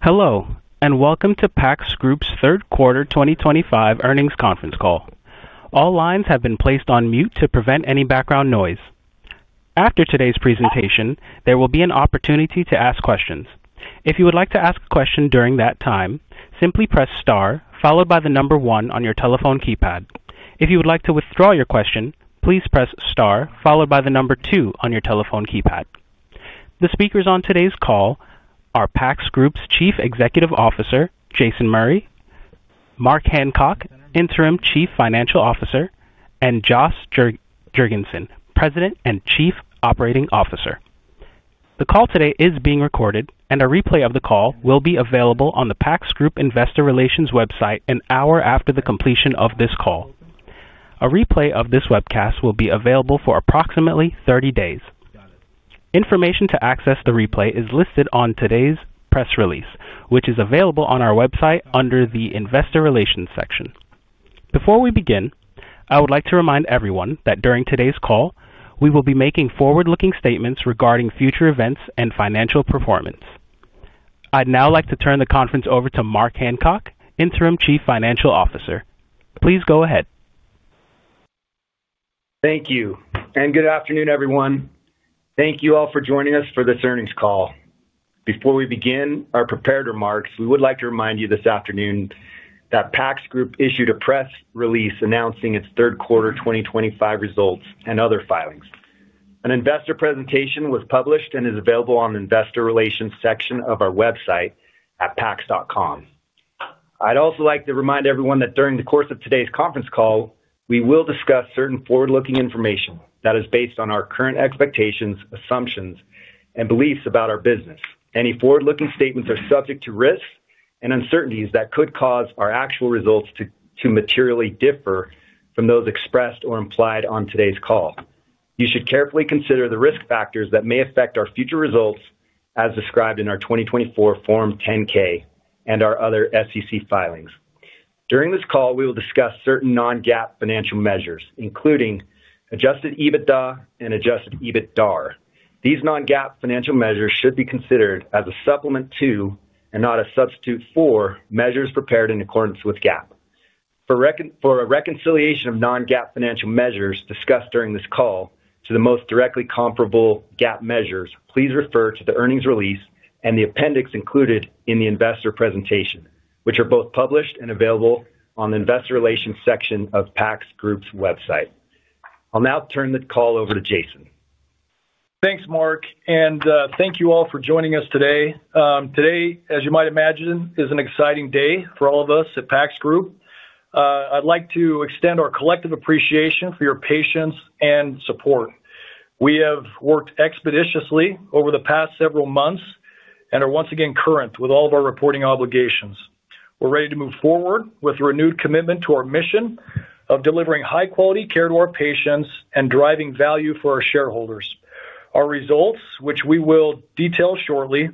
Hello, and welcome to PACS Group's Third Quarter 2025 Earnings Conference Call. All lines have been placed on mute to prevent any background noise. After today's presentation, there will be an opportunity to ask questions. If you would like to ask a question during that time, simply press star followed by the number one on your telephone keypad. If you would like to withdraw your question, please press star followed by the number two on your telephone keypad. The speakers on today's call are PACS Group's Chief Executive Officer, Jason Murray, Mark Hancock, Interim Chief Financial Officer, and Josh Jergensen, President and Chief Operating Officer. The call today is being recorded, and a replay of the call will be available on the PACS Group Investor Relations website an hour after the completion of this call. A replay of this webcast will be available for approximately 30 days. Information to access the replay is listed on today's press release, which is available on our website under the Investor Relations section. Before we begin, I would like to remind everyone that during today's call, we will be making forward-looking statements regarding future events and financial performance. I'd now like to turn the conference over to Mark Hancock, Interim Chief Financial Officer. Please go ahead. Thank you, and good afternoon, everyone. Thank you all for joining us for this earnings call. Before we begin our prepared remarks, we would like to remind you this afternoon that PACS Group issued a press release announcing its third quarter 2025 results and other filings. An investor presentation was published and is available on the Investor Relations section of our website at pacs.com. I'd also like to remind everyone that during the course of today's conference call, we will discuss certain forward-looking information that is based on our current expectations, assumptions, and beliefs about our business. Any forward-looking statements are subject to risks and uncertainties that could cause our actual results to materially differ from those expressed or implied on today's call. You should carefully consider the risk factors that may affect our future results, as described in our 2024 Form 10-K and our other SEC filings. During this call, we will discuss certain non-GAAP financial measures, including adjusted EBITDA and adjusted EBITDAR. These non-GAAP financial measures should be considered as a supplement to and not a substitute for measures prepared in accordance with GAAP. For a reconciliation of non-GAAP financial measures discussed during this call to the most directly comparable GAAP measures, please refer to the earnings release and the appendix included in the investor presentation, which are both published and available on the Investor Relations section of PACS Group's website. I'll now turn the call over to Jason. Thanks, Mark, and thank you all for joining us today. Today, as you might imagine, is an exciting day for all of us at PACS Group. I'd like to extend our collective appreciation for your patience and support. We have worked expeditiously over the past several months and are once again current with all of our reporting obligations. We're ready to move forward with a renewed commitment to our mission of delivering high-quality care to our patients and driving value for our shareholders. Our results, which we will detail shortly,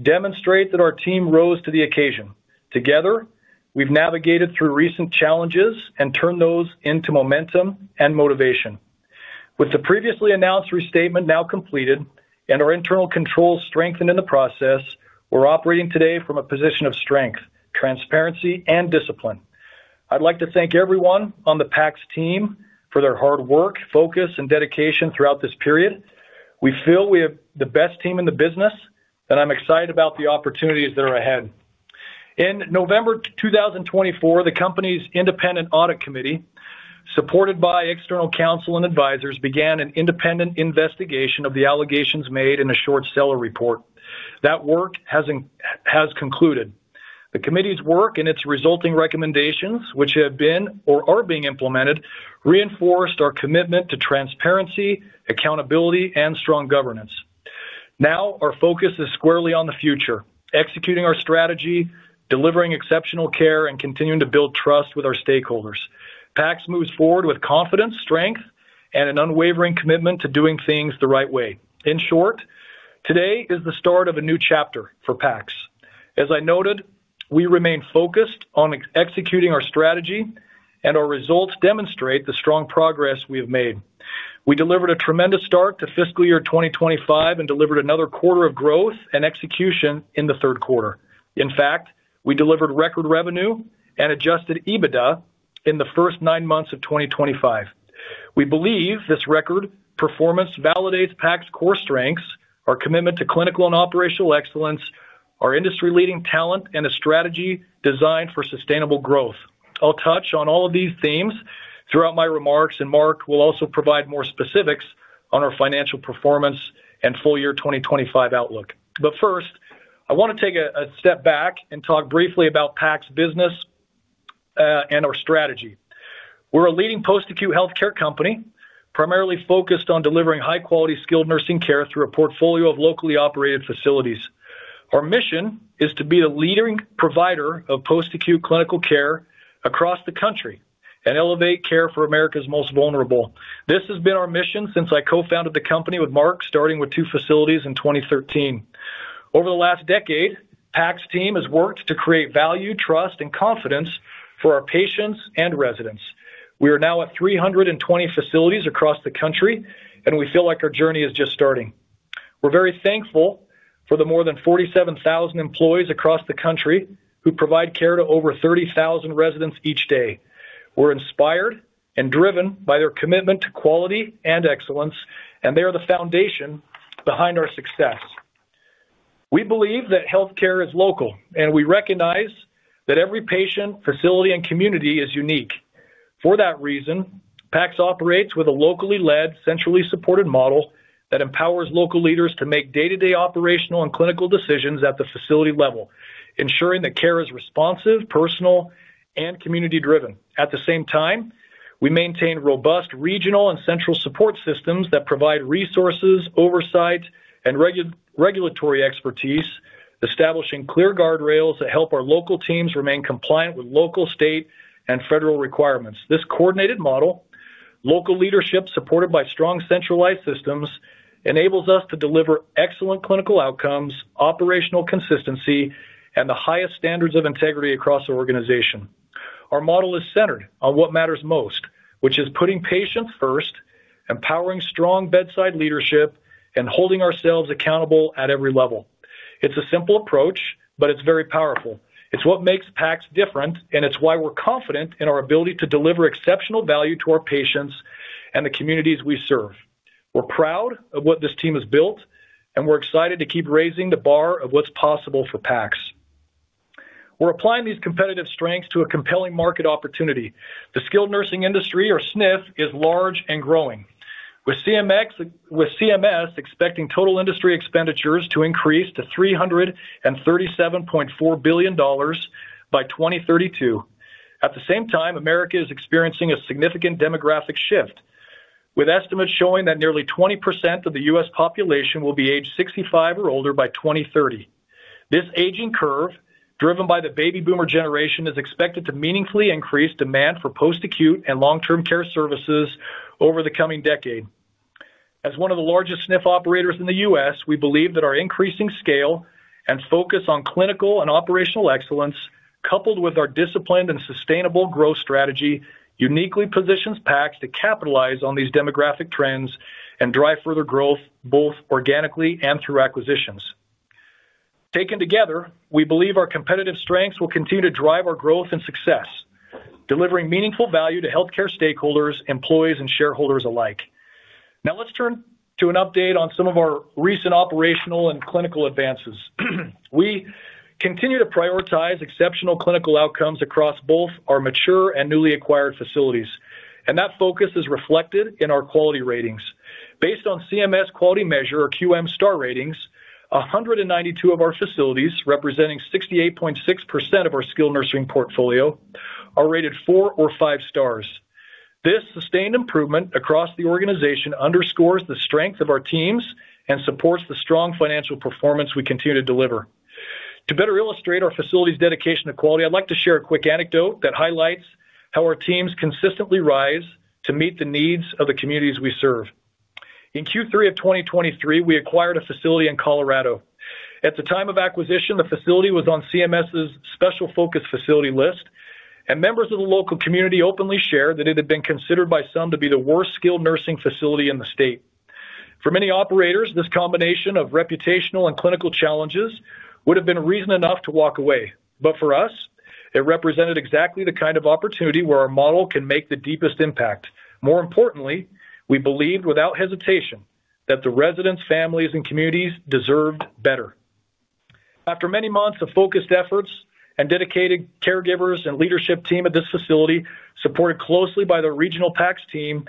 demonstrate that our team rose to the occasion. Together, we've navigated through recent challenges and turned those into momentum and motivation. With the previously announced restatement now completed and our internal controls strengthened in the process, we're operating today from a position of strength, transparency, and discipline. I'd like to thank everyone on the PACS team for their hard work, focus, and dedication throughout this period. We feel we have the best team in the business, and I'm excited about the opportunities that are ahead. In November 2024, the company's independent audit committee, supported by external counsel and advisors, began an independent investigation of the allegations made in a short seller report. That work has concluded. The committee's work and its resulting recommendations, which have been or are being implemented, reinforced our commitment to transparency, accountability, and strong governance. Now, our focus is squarely on the future, executing our strategy, delivering exceptional care, and continuing to build trust with our stakeholders. PACS moves forward with confidence, strength, and an unwavering commitment to doing things the right way. In short, today is the start of a new chapter for PACS. As I noted, we remain focused on executing our strategy, and our results demonstrate the strong progress we have made. We delivered a tremendous start to fiscal year 2025 and delivered another quarter of growth and execution in the third quarter. In fact, we delivered record revenue and adjusted EBITDA in the first nine months of 2025. We believe this record performance validates PACS's core strengths, our commitment to clinical and operational excellence, our industry-leading talent, and a strategy designed for sustainable growth. I'll touch on all of these themes throughout my remarks, and Mark will also provide more specifics on our financial performance and full year 2025 outlook. First, I want to take a step back and talk briefly about PACS's business and our strategy. We're a leading post-acute healthcare company, primarily focused on delivering high-quality, skilled nursing care through a portfolio of locally operated facilities. Our mission is to be the leading provider of post-acute clinical care across the country and elevate care for America's most vulnerable. This has been our mission since I co-founded the company with Mark, starting with two facilities in 2013. Over the last decade, PACS's team has worked to create value, trust, and confidence for our patients and residents. We are now at 320 facilities across the country, and we feel like our journey is just starting. We're very thankful for the more than 47,000 employees across the country who provide care to over 30,000 residents each day. We're inspired and driven by their commitment to quality and excellence, and they are the foundation behind our success. We believe that healthcare is local, and we recognize that every patient, facility, and community is unique. For that reason, PACS operates with a locally led, centrally supported model that empowers local leaders to make day-to-day operational and clinical decisions at the facility level, ensuring that care is responsive, personal, and community-driven. At the same time, we maintain robust regional and central support systems that provide resources, oversight, and regulatory expertise, establishing clear guardrails that help our local teams remain compliant with local, state, and federal requirements. This coordinated model, local leadership supported by strong centralized systems, enables us to deliver excellent clinical outcomes, operational consistency, and the highest standards of integrity across our organization. Our model is centered on what matters most, which is putting patients first, empowering strong bedside leadership, and holding ourselves accountable at every level. It's a simple approach, but it's very powerful. It's what makes PACS different, and it's why we're confident in our ability to deliver exceptional value to our patients and the communities we serve. We're proud of what this team has built, and we're excited to keep raising the bar of what's possible for PACS. We're applying these competitive strengths to a compelling market opportunity. The skilled nursing industry, or SNF, is large and growing, with CMS expecting total industry expenditures to increase to $337.4 billion by 2032. At the same time, America is experiencing a significant demographic shift, with estimates showing that nearly 20% of the U.S. population will be aged 65 or older by 2030. This aging curve, driven by the baby boomer generation, is expected to meaningfully increase demand for post-acute and long-term care services over the coming decade. As one of the largest SNF operators in the U.S., we believe that our increasing scale and focus on clinical and operational excellence, coupled with our disciplined and sustainable growth strategy, uniquely positions PACS to capitalize on these demographic trends and drive further growth, both organically and through acquisitions. Taken together, we believe our competitive strengths will continue to drive our growth and success, delivering meaningful value to healthcare stakeholders, employees, and shareholders alike. Now, let's turn to an update on some of our recent operational and clinical advances. We continue to prioritize exceptional clinical outcomes across both our mature and newly acquired facilities, and that focus is reflected in our quality ratings. Based on CMS Quality Measure, or QM Star ratings, 192 of our facilities, representing 68.6% of our skilled nursing portfolio, are rated four or five stars. This sustained improvement across the organization underscores the strength of our teams and supports the strong financial performance we continue to deliver. To better illustrate our facility's dedication to quality, I'd like to share a quick anecdote that highlights how our teams consistently rise to meet the needs of the communities we serve. In Q3 of 2023, we acquired a facility in Colorado. At the time of acquisition, the facility was on CMS's Special Focus Facility list, and members of the local community openly shared that it had been considered by some to be the worst skilled nursing facility in the state. For many operators, this combination of reputational and clinical challenges would have been reason enough to walk away. For us, it represented exactly the kind of opportunity where our model can make the deepest impact. More importantly, we believed without hesitation that the residents, families, and communities deserved better. After many months of focused efforts and dedicated caregivers and leadership team at this facility, supported closely by the regional PACS team,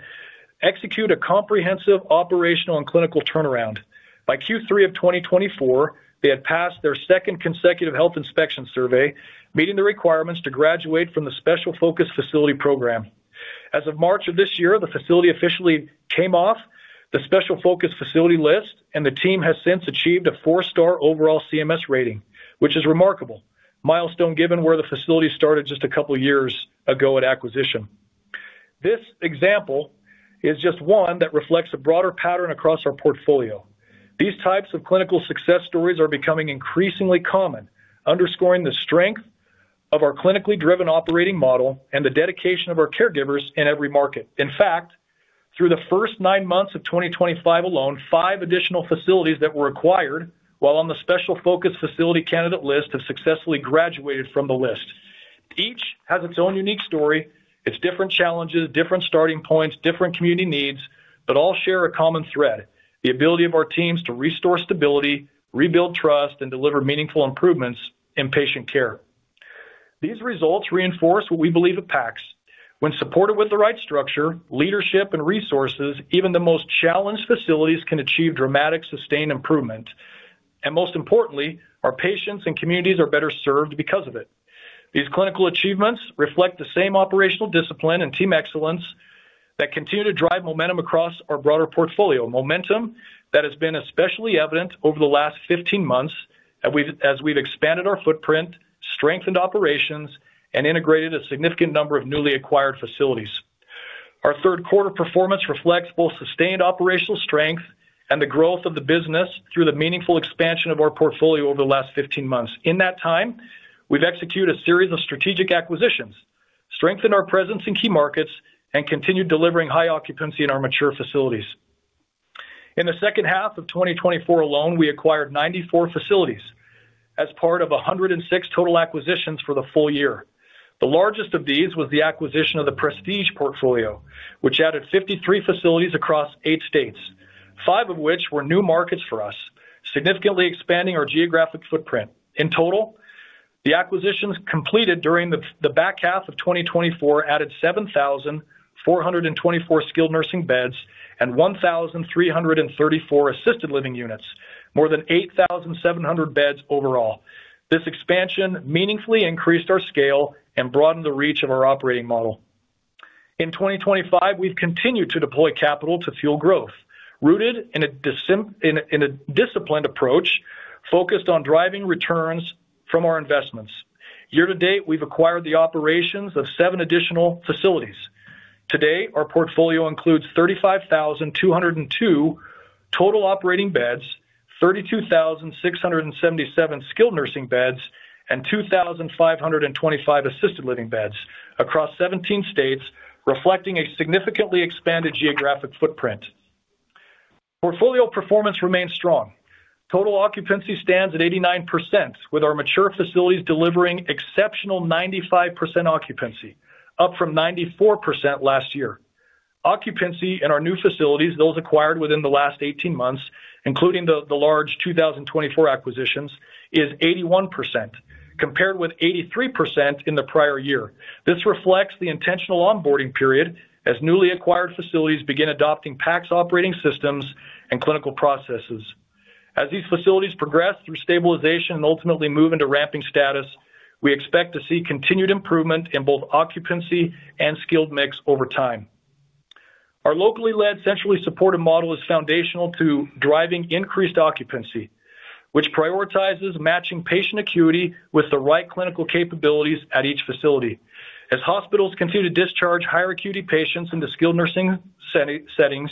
execute a comprehensive operational and clinical turnaround. By Q3 of 2024, they had passed their second consecutive health inspection survey, meeting the requirements to graduate from the Special Focus Facility program. As of March of this year, the facility officially came off the Special Focus Facility list, and the team has since achieved a four-star overall CMS rating, which is a remarkable milestone given where the facility started just a couple of years ago at acquisition. This example is just one that reflects a broader pattern across our portfolio. These types of clinical success stories are becoming increasingly common, underscoring the strength of our clinically driven operating model and the dedication of our caregivers in every market. In fact, through the first nine months of 2025 alone, five additional facilities that were acquired while on the Special Focus Facility candidate list have successfully graduated from the list. Each has its own unique story, its different challenges, different starting points, different community needs, but all share a common thread: the ability of our teams to restore stability, rebuild trust, and deliver meaningful improvements in patient care. These results reinforce what we believe at PACS. When supported with the right structure, leadership, and resources, even the most challenged facilities can achieve dramatic sustained improvement. Most importantly, our patients and communities are better served because of it. These clinical achievements reflect the same operational discipline and team excellence that continue to drive momentum across our broader portfolio, momentum that has been especially evident over the last 15 months as we've expanded our footprint, strengthened operations, and integrated a significant number of newly acquired facilities. Our third quarter performance reflects both sustained operational strength and the growth of the business through the meaningful expansion of our portfolio over the last 15 months. In that time, we've executed a series of strategic acquisitions, strengthened our presence in key markets, and continued delivering high occupancy in our mature facilities. In the second half of 2024 alone, we acquired 94 facilities as part of 106 total acquisitions for the full year. The largest of these was the acquisition of the Prestige portfolio, which added 53 facilities across eight states, five of which were new markets for us, significantly expanding our geographic footprint. In total, the acquisitions completed during the back half of 2024 added 7,424 skilled nursing beds and 1,334 assisted living units, more than 8,700 beds overall. This expansion meaningfully increased our scale and broadened the reach of our operating model. In 2025, we've continued to deploy capital to fuel growth, rooted in a disciplined approach focused on driving returns from our investments. Year to date, we've acquired the operations of seven additional facilities. Today, our portfolio includes 35,202 total operating beds, 32,677 skilled nursing beds, and 2,525 assisted living beds across 17 states, reflecting a significantly expanded geographic footprint. Portfolio performance remains strong. Total occupancy stands at 89%, with our mature facilities delivering exceptional 95% occupancy, up from 94% last year. Occupancy in our new facilities, those acquired within the last 18 months, including the large 2024 acquisitions, is 81%, compared with 83% in the prior year. This reflects the intentional onboarding period as newly acquired facilities begin adopting PACS operating systems and clinical processes. As these facilities progress through stabilization and ultimately move into ramping status, we expect to see continued improvement in both occupancy and skilled mix over time. Our locally led, centrally supported model is foundational to driving increased occupancy, which prioritizes matching patient acuity with the right clinical capabilities at each facility. As hospitals continue to discharge higher acuity patients into skilled nursing settings,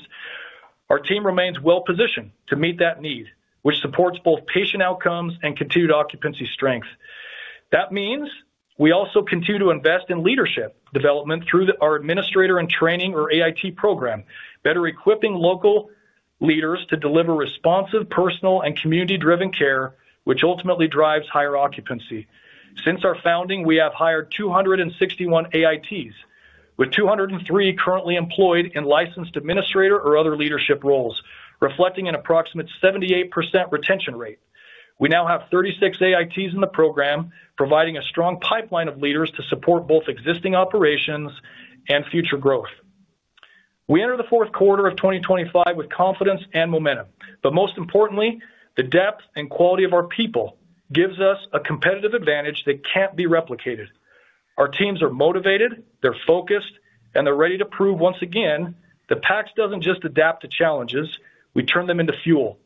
our team remains well-positioned to meet that need, which supports both patient outcomes and continued occupancy strength. That means we also continue to invest in leadership development through our Administrator in Training, or AIT, program, better equipping local leaders to deliver responsive, personal, and community-driven care, which ultimately drives higher occupancy. Since our founding, we have hired 261 AITs, with 203 currently employed in licensed administrator or other leadership roles, reflecting an approximate 78% retention rate. We now have 36 AITs in the program, providing a strong pipeline of leaders to support both existing operations and future growth. We enter the fourth quarter of 2025 with confidence and momentum. Most importantly, the depth and quality of our people gives us a competitive advantage that can't be replicated. Our teams are motivated, they're focused, and they're ready to prove once again that PACS doesn't just adapt to challenges; we turn them into fuel.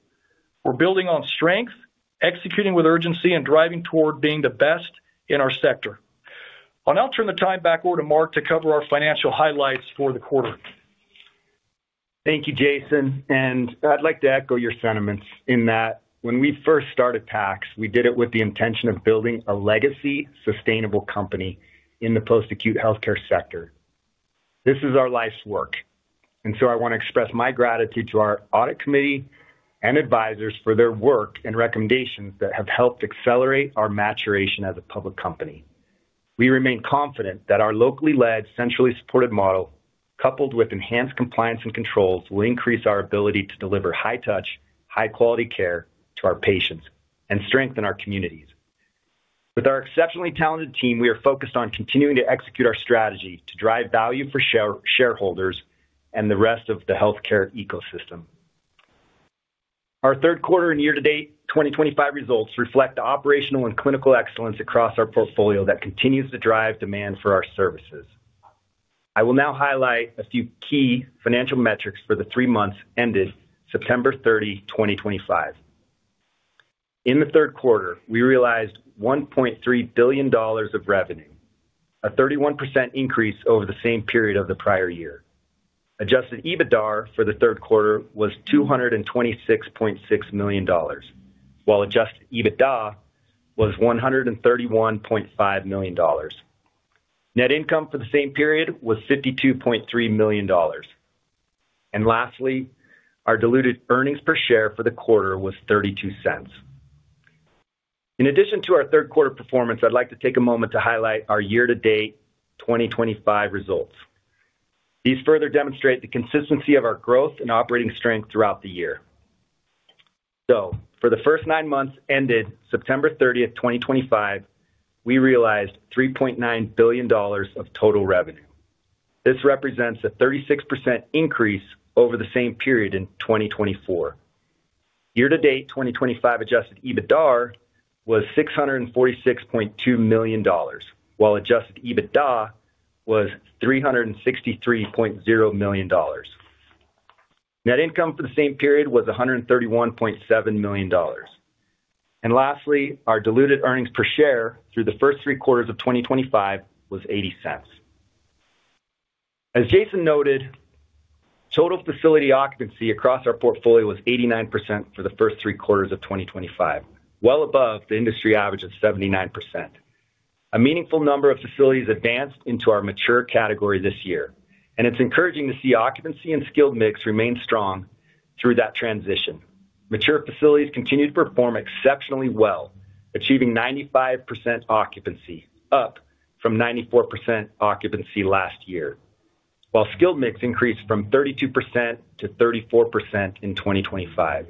We're building on strength, executing with urgency, and driving toward being the best in our sector. I'll now turn the time back over to Mark to cover our financial highlights for the quarter. Thank you, Jason. I'd like to echo your sentiments in that when we first started PACS, we did it with the intention of building a legacy sustainable company in the post-acute healthcare sector. This is our life's work. I want to express my gratitude to our audit committee and advisors for their work and recommendations that have helped accelerate our maturation as a public company. We remain confident that our locally led, centrally supported model, coupled with enhanced compliance and controls, will increase our ability to deliver high-touch, high-quality care to our patients and strengthen our communities. With our exceptionally talented team, we are focused on continuing to execute our strategy to drive value for shareholders and the rest of the healthcare ecosystem. Our third quarter and year-to-date 2025 results reflect the operational and clinical excellence across our portfolio that continues to drive demand for our services. I will now highlight a few key financial metrics for the three months ended September 30, 2025. In the third quarter, we realized $1.3 billion of revenue, a 31% increase over the same period of the prior year. Adjusted EBITDAR for the third quarter was $226.6 million, while adjusted EBITDA was $131.5 million. Net income for the same period was $52.3 million. Lastly, our diluted earnings per share for the quarter was $0.32. In addition to our third quarter performance, I'd like to take a moment to highlight our year-to-date 2025 results. These further demonstrate the consistency of our growth and operating strength throughout the year. For the first nine months ended September 30th, 2025, we realized $3.9 billion of total revenue. This represents a 36% increase over the same period in 2024. Year-to-date 2025 adjusted EBITDAR was $646.2 million, while adjusted EBITDA was $363.0 million. Net income for the same period was $131.7 million. Lastly, our diluted earnings per share through the first three quarters of 2025 was $0.80. As Jason noted, total facility occupancy across our portfolio was 89% for the first three quarters of 2025, well above the industry average of 79%. A meaningful number of facilities advanced into our mature category this year, and it is encouraging to see occupancy and skilled mix remain strong through that transition. Mature facilities continued to perform exceptionally well, achieving 95% occupancy, up from 94% occupancy last year, while skilled mix increased from 32% to 34% in 2025.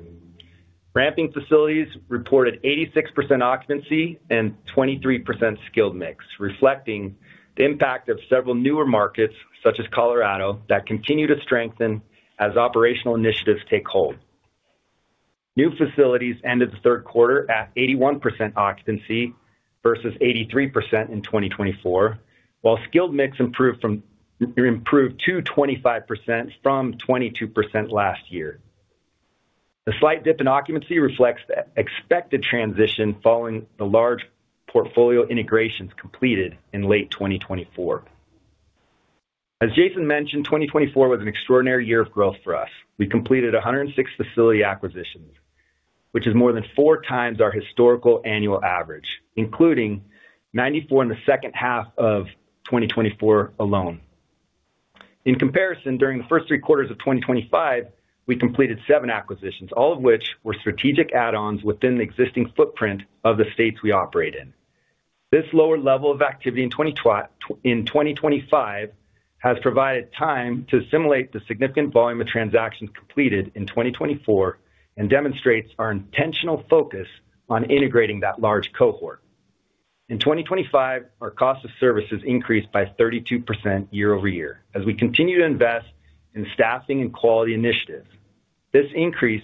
Ramping facilities reported 86% occupancy and 23% skilled mix, reflecting the impact of several newer markets, such as Colorado, that continue to strengthen as operational initiatives take hold. New facilities ended the third quarter at 81% occupancy versus 83% in 2024, while skilled mix improved to 25% from 22% last year. The slight dip in occupancy reflects the expected transition following the large portfolio integrations completed in late 2024. As Jason mentioned, 2024 was an extraordinary year of growth for us. We completed 106 facility acquisitions, which is more than four times our historical annual average, including 94 in the second half of 2024 alone. In comparison, during the first three quarters of 2025, we completed seven acquisitions, all of which were strategic add-ons within the existing footprint of the states we operate in. This lower level of activity in 2025 has provided time to assimilate the significant volume of transactions completed in 2024 and demonstrates our intentional focus on integrating that large cohort. In 2025, our cost of services increased by 32% year-over-year as we continue to invest in staffing and quality initiatives. This increase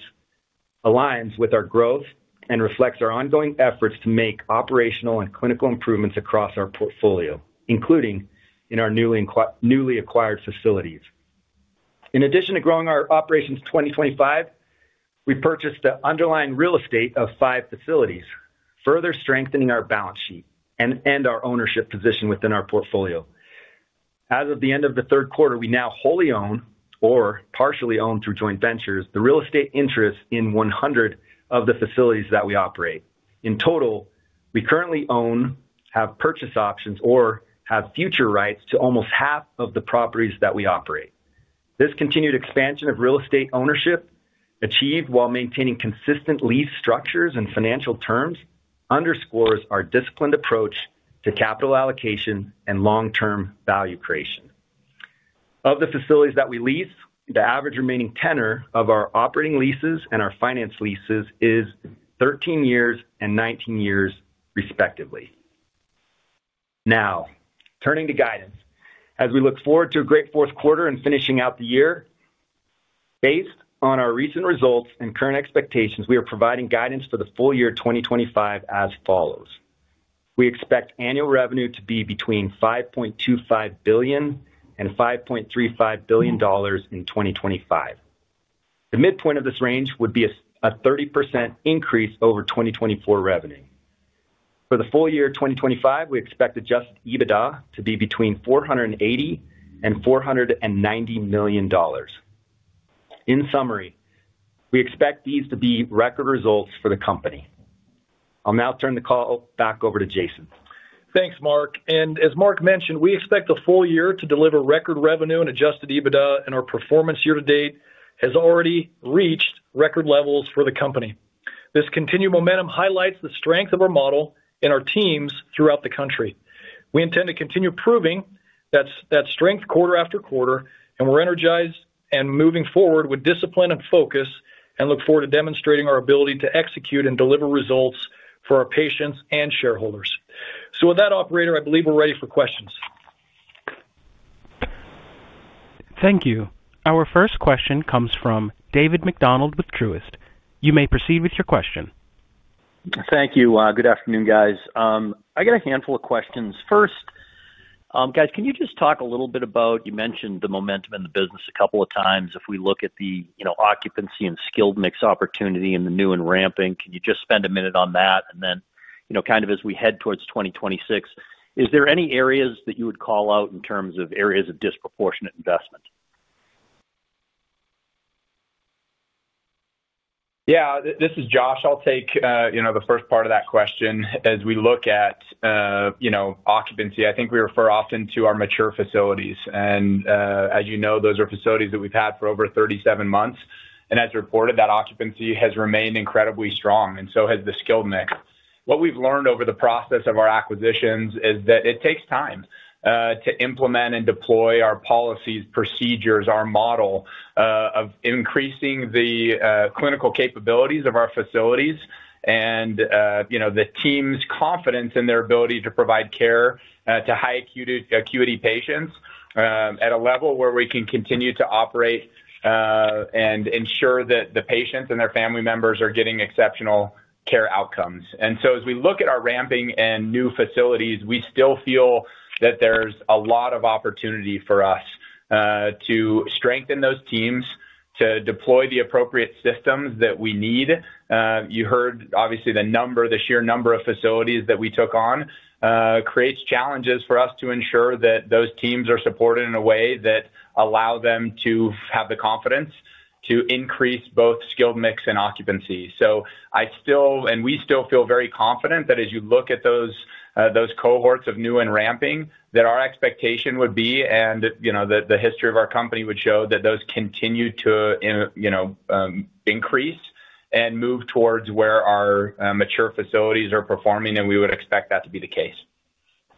aligns with our growth and reflects our ongoing efforts to make operational and clinical improvements across our portfolio, including in our newly acquired facilities. In addition to growing our operations in 2025, we purchased the underlying real estate of five facilities, further strengthening our balance sheet and our ownership position within our portfolio. As of the end of the third quarter, we now wholly own or partially own through joint ventures the real estate interests in 100 of the facilities that we operate. In total, we currently own, have purchase options, or have future rights to almost half of the properties that we operate. This continued expansion of real estate ownership achieved while maintaining consistent lease structures and financial terms underscores our disciplined approach to capital allocation and long-term value creation. Of the facilities that we lease, the average remaining tenor of our operating leases and our finance leases is 13 years and 19 years, respectively. Now, turning to guidance, as we look forward to a great fourth quarter and finishing out the year, based on our recent results and current expectations, we are providing guidance for the full year 2025 as follows. We expect annual revenue to be between $5.25 billion and $5.35 billion in 2025. The midpoint of this range would be a 30% increase over 2024 revenue. For the full year 2025, we expect adjusted EBITDA to be between $480 million and $490 million. In summary, we expect these to be record results for the company. I'll now turn the call back over to Jason. Thanks, Mark. As Mark mentioned, we expect the full year to deliver record revenue and adjusted EBITDA, and our performance year-to-date has already reached record levels for the company. This continued momentum highlights the strength of our model and our teams throughout the country. We intend to continue proving that strength quarter after quarter, and we're energized and moving forward with discipline and focus and look forward to demonstrating our ability to execute and deliver results for our patients and shareholders. Operator, I believe we're ready for questions. Thank you. Our first question comes from David MacDonald with Truist. You may proceed with your question. Thank you. Good afternoon, guys. I got a handful of questions. First, guys, can you just talk a little bit about you mentioned the momentum in the business a couple of times. If we look at the occupancy and skilled mix opportunity and the new and ramping, can you just spend a minute on that? As we head towards 2026, is there any areas that you would call out in terms of areas of disproportionate investment? Yeah, this is Josh. I'll take the first part of that question. As we look at occupancy, I think we refer often to our mature facilities. As you know, those are facilities that we've had for over 37 months. As reported, that occupancy has remained incredibly strong, and so has the skilled mix. What we've learned over the process of our acquisitions is that it takes time to implement and deploy our policies, procedures, our model of increasing the clinical capabilities of our facilities and the team's confidence in their ability to provide care to high-acuity patients at a level where we can continue to operate and ensure that the patients and their family members are getting exceptional care outcomes. As we look at our ramping and new facilities, we still feel that there's a lot of opportunity for us to strengthen those teams, to deploy the appropriate systems that we need. You heard, obviously, the number, the sheer number of facilities that we took on creates challenges for us to ensure that those teams are supported in a way that allows them to have the confidence to increase both skilled mix and occupancy. I still, and we still feel very confident that as you look at those cohorts of new and ramping, our expectation would be, and the history of our company would show that those continue to increase and move towards where our mature facilities are performing, and we would expect that to be the case.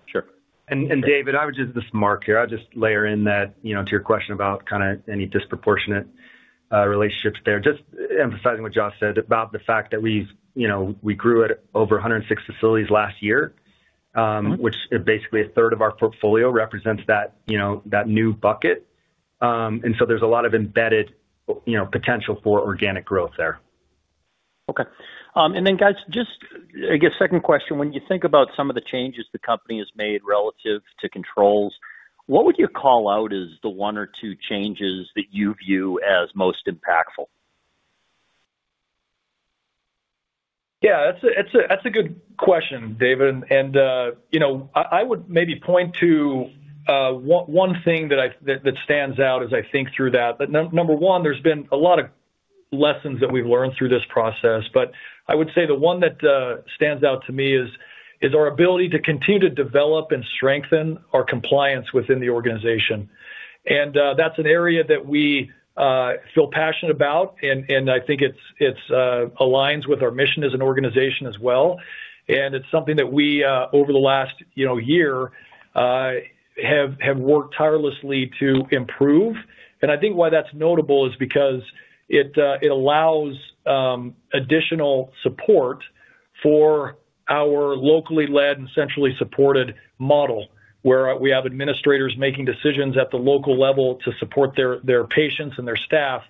Sure. David, I would just, this is Mark here. I'll just layer in that to your question about kind of any disproportionate relationships there. Just emphasizing what Josh said about the fact that we grew at over 106 facilities last year, which basically a third of our portfolio represents that new bucket. There is a lot of embedded potential for organic growth there. Okay. Guys, just, I guess, second question. When you think about some of the changes the company has made relative to controls, what would you call out as the one or two changes that you view as most impactful? Yeah, that's a good question, David. I would maybe point to one thing that stands out as I think through that. Number one, there's been a lot of lessons that we've learned through this process, but I would say the one that stands out to me is our ability to continue to develop and strengthen our compliance within the organization. That's an area that we feel passionate about, and I think it aligns with our mission as an organization as well. It's something that we, over the last year, have worked tirelessly to improve. I think why that's notable is because it allows additional support for our locally led and centrally supported model, where we have administrators making decisions at the local level to support their patients and their staff.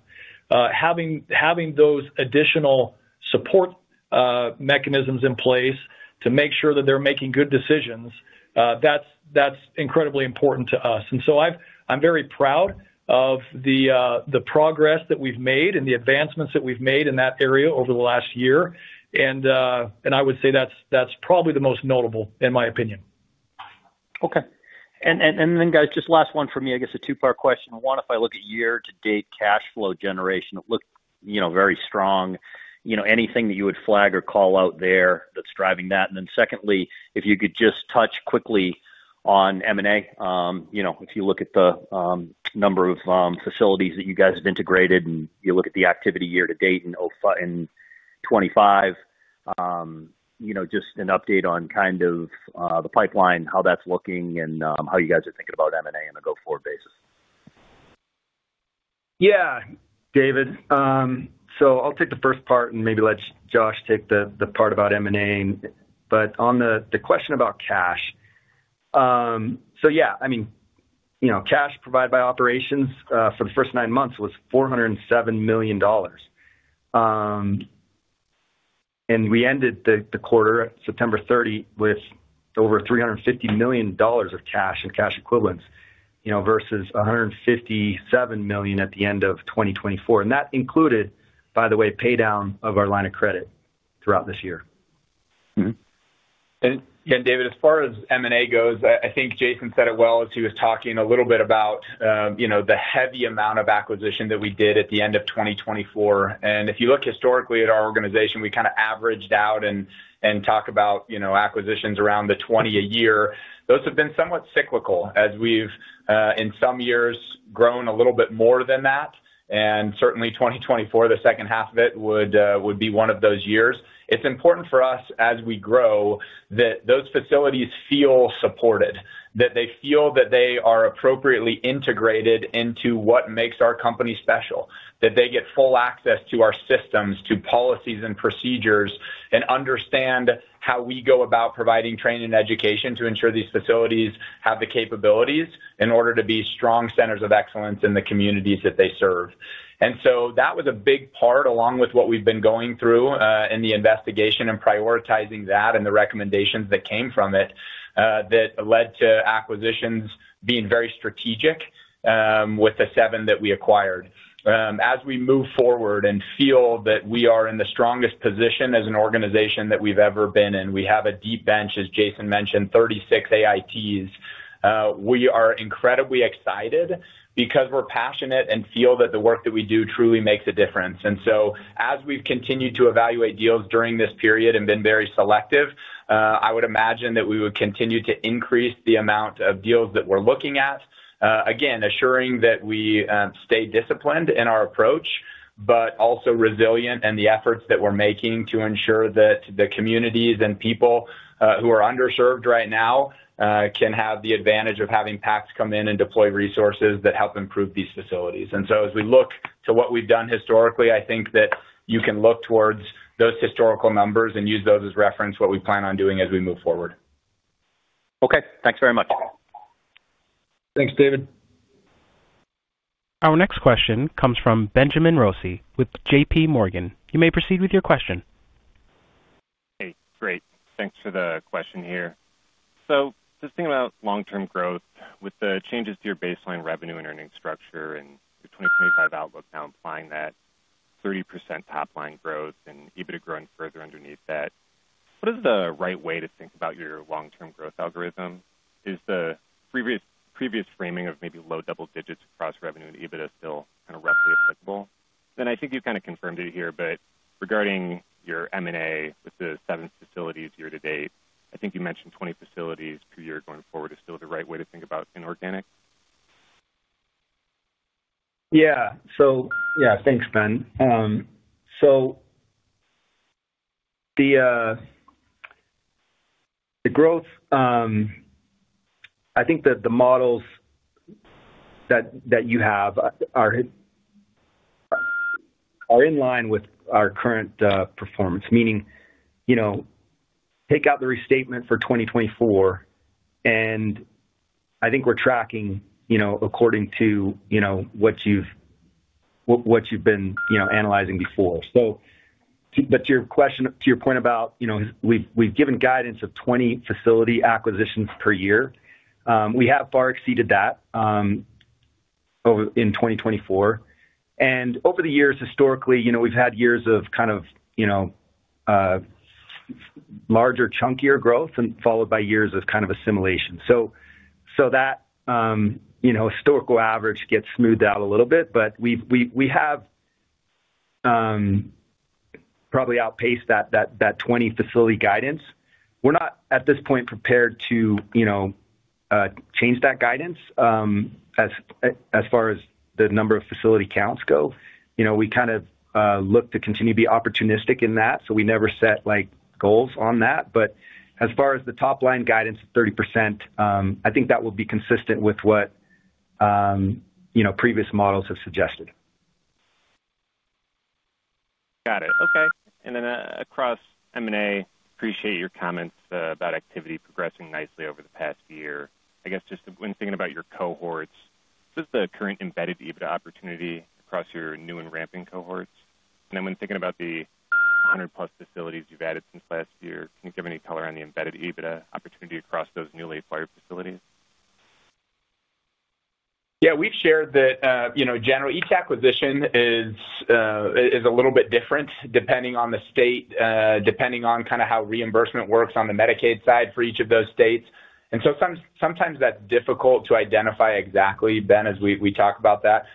Having those additional support mechanisms in place to make sure that they're making good decisions, that's incredibly important to us. I'm very proud of the progress that we've made and the advancements that we've made in that area over the last year. I would say that's probably the most notable, in my opinion. Okay. Guys, just last one for me, I guess, a two-part question. One, if I look at year-to-date cash flow generation, it looked very strong. Anything that you would flag or call out there that's driving that? Secondly, if you could just touch quickly on M&A. If you look at the number of facilities that you guys have integrated and you look at the activity year-to-date in 2025, just an update on kind of the pipeline, how that's looking, and how you guys are thinking about M&A on a go-forward basis. Yeah, David. I'll take the first part, and maybe let Josh take the part about M&A. On the question about cash, yeah, I mean, cash provided by operations for the first nine months was $407 million. We ended the quarter, September 30, with over $350 million of cash and cash equivalents versus $157 million at the end of 2024. That included, by the way, paydown of our line of credit throughout this year. David, as far as M&A goes, I think Jason said it well as he was talking a little bit about the heavy amount of acquisition that we did at the end of 2024. If you look historically at our organization, we kind of averaged out and talk about acquisitions around the 20 a year. Those have been somewhat cyclical, as we've in some years grown a little bit more than that. Certainly, 2024, the second half of it would be one of those years. It's important for us, as we grow, that those facilities feel supported, that they feel that they are appropriately integrated into what makes our company special, that they get full access to our systems, to policies and procedures, and understand how we go about providing training and education to ensure these facilities have the capabilities in order to be strong centers of excellence in the communities that they serve. That was a big part, along with what we've been going through in the investigation and prioritizing that and the recommendations that came from it, that led to acquisitions being very strategic with the seven that we acquired. As we move forward and feel that we are in the strongest position as an organization that we've ever been in, we have a deep bench, as Jason mentioned, 36 AITs. We are incredibly excited because we're passionate and feel that the work that we do truly makes a difference. As we've continued to evaluate deals during this period and been very selective, I would imagine that we would continue to increase the amount of deals that we're looking at, again, assuring that we stay disciplined in our approach, but also resilient in the efforts that we're making to ensure that the communities and people who are underserved right now can have the advantage of having PACS come in and deploy resources that help improve these facilities. As we look to what we've done historically, I think that you can look towards those historical numbers and use those as reference for what we plan on doing as we move forward. Okay. Thanks very much. Thanks, David. Our next question comes from Benjamin Rossi with J.P. Morgan. You may proceed with your question. Hey, great. Thanks for the question here. Just thinking about long-term growth with the changes to your baseline revenue and earnings structure and your 2025 outlook now implying that 30% top-line growth and EBITDA growing further underneath that, what is the right way to think about your long-term growth algorithm? Is the previous framing of maybe low double digits across revenue and EBITDA still kind of roughly applicable? I think you kind of confirmed it here, but regarding your M&A with the seven facilities year-to-date, I think you mentioned 20 facilities per year going forward. Is that still the right way to think about inorganic? Yeah. Yeah, thanks, Ben. The growth, I think that the models that you have are in line with our current performance, meaning take out the restatement for 2024, and I think we're tracking according to what you've been analyzing before. To your point about we've given guidance of 20 facility acquisitions per year. We have far exceeded that in 2024. Over the years, historically, we've had years of kind of larger, chunkier growth followed by years of kind of assimilation. That historical average gets smoothed out a little bit, but we have probably outpaced that 20 facility guidance. We're not at this point prepared to change that guidance as far as the number of facility counts go. We kind of look to continue to be opportunistic in that, so we never set goals on that. As far as the top-line guidance of 30%, I think that will be consistent with what previous models have suggested. Got it. Okay. And then across M&A, appreciate your comments about activity progressing nicely over the past year. I guess just when thinking about your cohorts, what is the current embedded EBITDA opportunity across your new and ramping cohorts? And then when thinking about the 100-plus facilities you've added since last year, can you give any color on the embedded EBITDA opportunity across those newly acquired facilities? Yeah, we've shared that general each acquisition is a little bit different depending on the state, depending on kind of how reimbursement works on the Medicaid side for each of those states. Sometimes that's difficult to identify exactly, Ben, as we talk about that.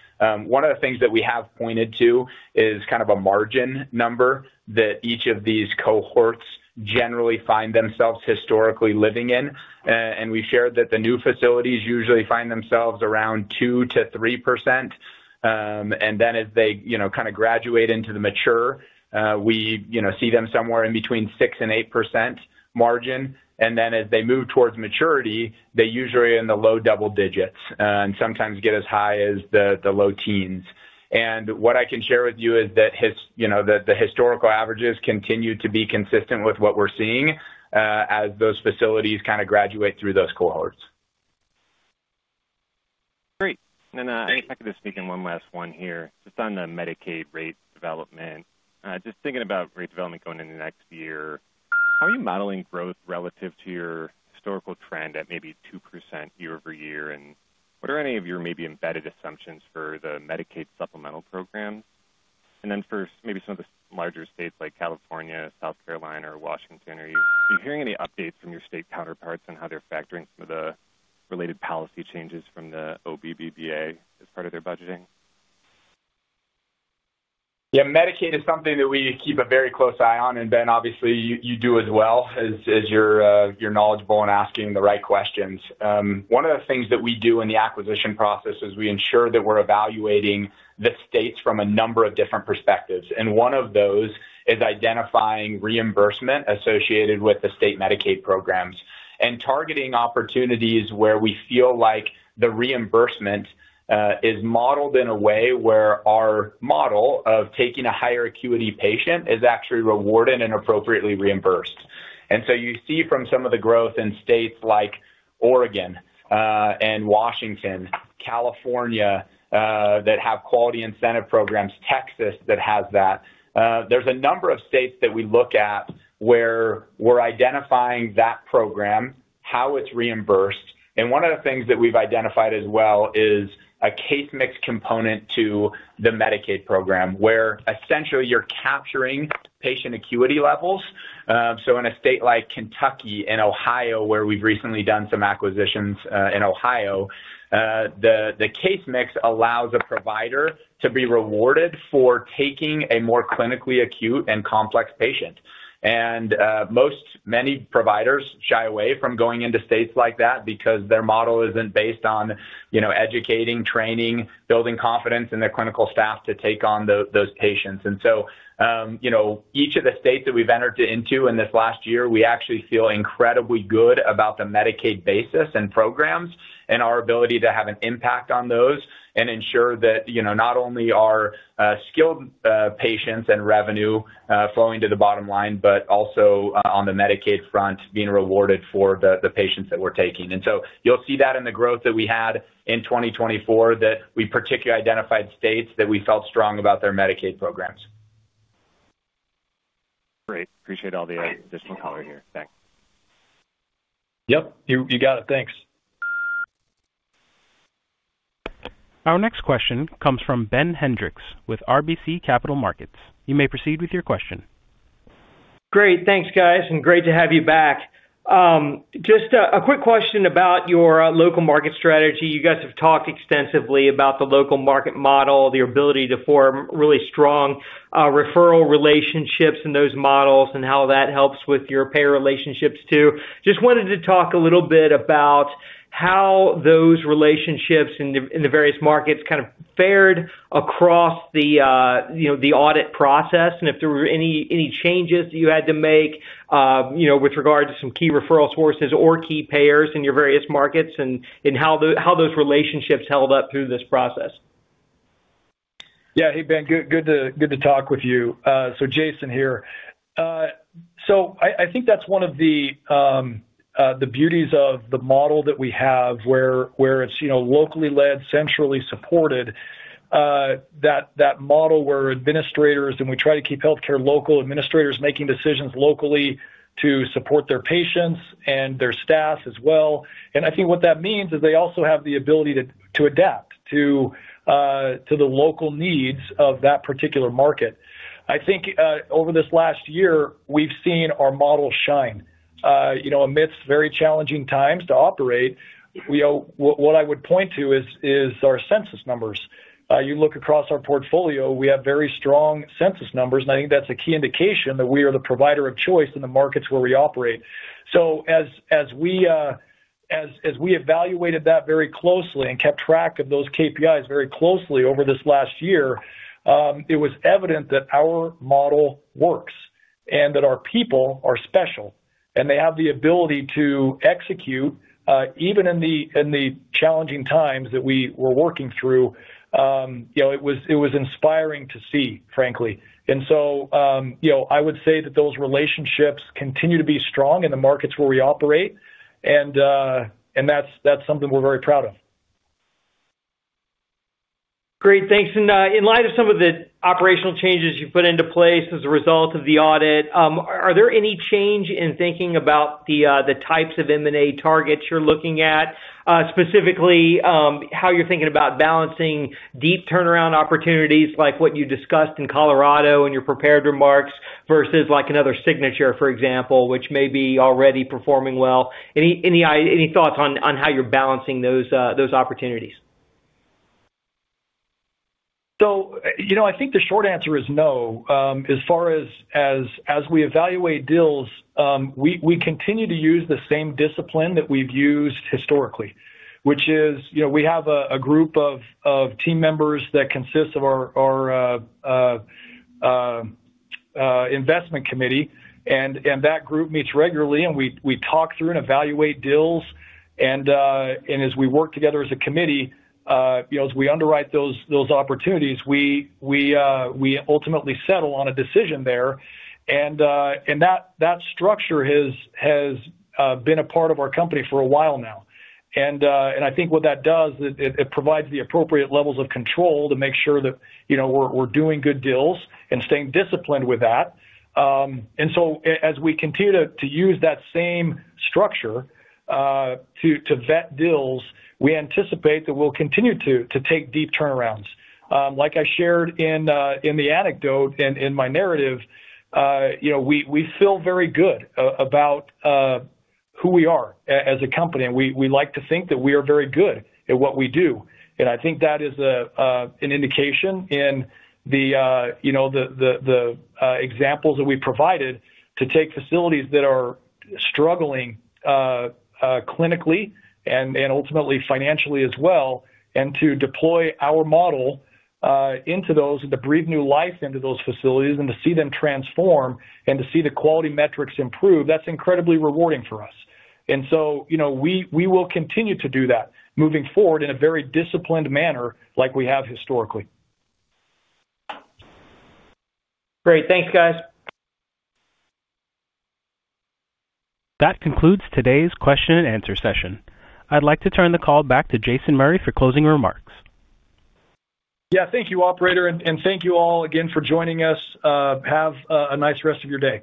One of the things that we have pointed to is kind of a margin number that each of these cohorts generally find themselves historically living in. We've shared that the new facilities usually find themselves around 2%-3%. As they kind of graduate into the mature, we see them somewhere in between 6%-8% margin. As they move towards maturity, they usually are in the low double digits and sometimes get as high as the low teens. What I can share with you is that the historical averages continue to be consistent with what we're seeing as those facilities kind of graduate through those cohorts. Great. I think I could just take in one last one here. Just on the Medicaid rate development, just thinking about rate development going into next year, how are you modeling growth relative to your historical trend at maybe 2% year-over-year? What are any of your maybe embedded assumptions for the Medicaid supplemental program? For maybe some of the larger states like California, South Carolina, or Washington, are you hearing any updates from your state counterparts on how they're factoring some of the related policy changes from the OBBBA as part of their budgeting? Yeah, Medicaid is something that we keep a very close eye on, and Ben, obviously, you do as well as you're knowledgeable and asking the right questions. One of the things that we do in the acquisition process is we ensure that we're evaluating the states from a number of different perspectives. One of those is identifying reimbursement associated with the state Medicaid programs and targeting opportunities where we feel like the reimbursement is modeled in a way where our model of taking a higher acuity patient is actually rewarded and appropriately reimbursed. You see from some of the growth in states like Oregon and Washington, California that have quality incentive programs, Texas that has that. There are a number of states that we look at where we're identifying that program, how it's reimbursed. One of the things that we've identified as well is a case-mix component to the Medicaid program, where essentially you're capturing patient acuity levels. In a state like Kentucky and Ohio, where we've recently done some acquisitions in Ohio, the case-mix allows a provider to be rewarded for taking a more clinically acute and complex patient. Many providers shy away from going into states like that because their model isn't based on educating, training, building confidence in their clinical staff to take on those patients. Each of the states that we've entered into in this last year, we actually feel incredibly good about the Medicaid basis and programs and our ability to have an impact on those and ensure that not only are skilled patients and revenue flowing to the bottom line, but also on the Medicaid front being rewarded for the patients that we're taking. You'll see that in the growth that we had in 2024 that we particularly identified states that we felt strong about their Medicaid programs. Great. Appreciate all the additional color here. Thanks. Yep. You got it. Thanks. Our next question comes from Ben Hendricks with RBC Capital Markets. You may proceed with your question. Great. Thanks, guys, and great to have you back. Just a quick question about your local market strategy. You guys have talked extensively about the local market model, the ability to form really strong referral relationships in those models and how that helps with your payer relationships too. Just wanted to talk a little bit about how those relationships in the various markets kind of fared across the audit process and if there were any changes that you had to make with regard to some key referral sources or key payers in your various markets and how those relationships held up through this process. Yeah. Hey, Ben. Good to talk with you. Jason here. I think that's one of the beauties of the model that we have where it's locally led, centrally supported, that model where administrators—and we try to keep healthcare local—administrators making decisions locally to support their patients and their staff as well. I think what that means is they also have the ability to adapt to the local needs of that particular market. I think over this last year, we've seen our model shine. Amidst very challenging times to operate, what I would point to is our census numbers. You look across our portfolio, we have very strong census numbers, and I think that's a key indication that we are the provider of choice in the markets where we operate. As we evaluated that very closely and kept track of those KPIs very closely over this last year, it was evident that our model works and that our people are special and they have the ability to execute even in the challenging times that we were working through. It was inspiring to see, frankly. I would say that those relationships continue to be strong in the markets where we operate, and that's something we're very proud of. Great. Thanks. In light of some of the operational changes you've put into place as a result of the audit, are there any change in thinking about the types of M&A targets you're looking at, specifically how you're thinking about balancing deep turnaround opportunities like what you discussed in Colorado in your prepared remarks versus another signature, for example, which may be already performing well? Any thoughts on how you're balancing those opportunities? I think the short answer is no. As far as we evaluate deals, we continue to use the same discipline that we've used historically, which is we have a group of team members that consists of our investment committee, and that group meets regularly, and we talk through and evaluate deals. As we work together as a committee, as we underwrite those opportunities, we ultimately settle on a decision there. That structure has been a part of our company for a while now. I think what that does is it provides the appropriate levels of control to make sure that we're doing good deals and staying disciplined with that. As we continue to use that same structure to vet deals, we anticipate that we'll continue to take deep turnarounds. Like I shared in the anecdote in my narrative, we feel very good about who we are as a company. We like to think that we are very good at what we do. I think that is an indication in the examples that we provided to take facilities that are struggling clinically and ultimately financially as well and to deploy our model into those and to breathe new life into those facilities and to see them transform and to see the quality metrics improve. That's incredibly rewarding for us. We will continue to do that moving forward in a very disciplined manner like we have historically. Great. Thanks, guys. That concludes today's question and answer session. I'd like to turn the call back to Jason Murray for closing remarks. Yeah. Thank you, Operator, and thank you all again for joining us. Have a nice rest of your day.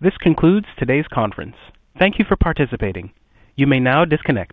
This concludes today's conference. Thank you for participating. You may now disconnect.